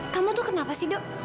kamu tuh kenapa sih dok